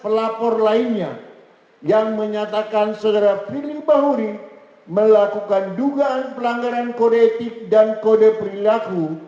pelapor lainnya yang menyatakan saudara firly bahuri melakukan dugaan pelanggaran kode etik dan kode perilaku